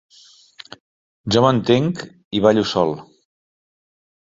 Jo m'entenc i ballo sol.